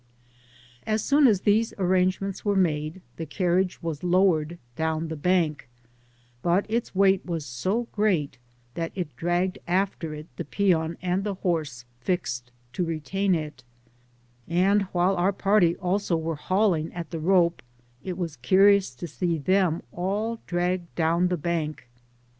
As soon as these arrangem^ts were made, the carriage was lowered down the bank, but ita weight was so great that it dri^ed after it the peon and horse fixed to retain it; and while our purty also were hauling at the rope, it was curious to see than all dragged down the bank.